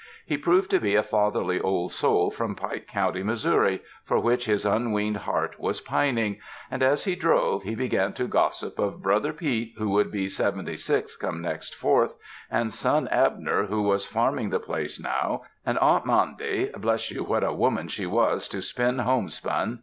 He proved to be a fatherly old soul from Pike County, Missouri, for which his unweaned heart was pining; and as he drove, he began to gossip of brother Pete who would be seventy six come next Fourth, and son Abner who was farming the place now, and Aunt 'Mandy, bless you what a woman she was to spin home spun!